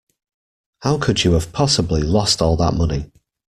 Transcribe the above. How could you have possibly lost all that money?